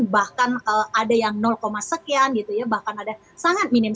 bahkan ada yang sekian gitu ya bahkan ada sangat minim